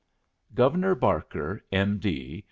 Governor Barker, M.D.